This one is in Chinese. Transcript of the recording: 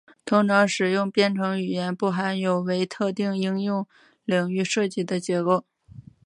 通常通用编程语言不含有为特定应用领域设计的结构。